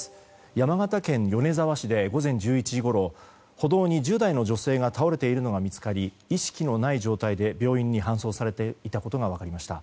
山形県米沢市で午前１１時ごろ歩道に１０代の女性が倒れているのが見つかり意識のない状態で病院に搬送されていたことが分かりました。